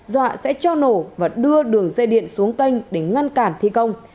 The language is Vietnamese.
dọa sẽ cho nổ và đưa đường dây điện xuống canh để ngăn cản thi công